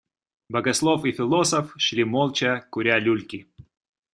Богослов и философ шли молча, куря люльки.